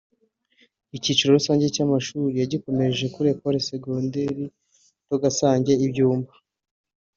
Icyiciro rusange cy’amashuri yagikomereje kuri Ecole secondaire de Gasange I Byumba